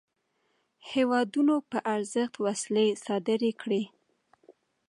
هیوادونو په ارزښت وسلې صادري کړې.